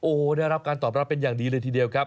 โอ้โหได้รับการตอบรับเป็นอย่างดีเลยทีเดียวครับ